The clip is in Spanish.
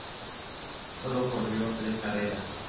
Sólo corrió tres carreras.